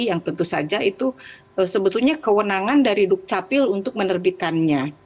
yang tentu saja itu sebetulnya kewenangan dari dukcapil untuk menerbitkannya